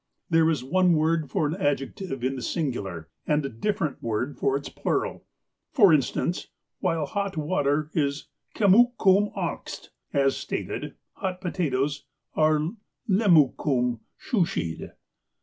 There is one word for an adjective in the singular, and a different word for its plural. For instance, while hot water is " kemmukum akst," as stated, hot i^otatoes are '' lemmukum shoosheed.